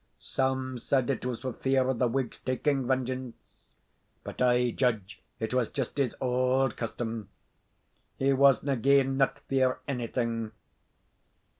Some said it was for fear of the Whigs taking vengeance, but I judge it was just his auld custom he wasna gine not fear onything.